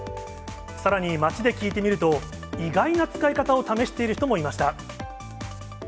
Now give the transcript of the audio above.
さらに、街で聞いてみると、意外な使い方を試している人もいました。